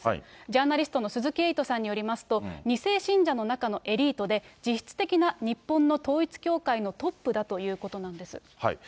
ジャーナリストの鈴木エイトさんによりますと、２世信者の中のエリートで、実質的な日本の統一教会のトップだということなんです。